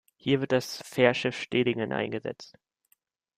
Hier wird das Fährschiff "Stedingen" eingesetzt.